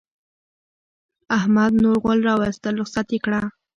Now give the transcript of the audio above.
احمد نور غول راوستل؛ رخصت يې کړه.